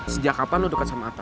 sejak kapan lo dekat sama apa